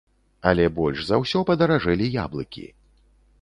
Але больш за ўсё падаражэлі яблыкі.